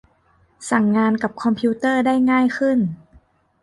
สั่งงานกับคอมพิวเตอร์ได้ง่ายขึ้น